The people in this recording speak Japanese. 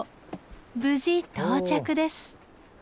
無事到着です。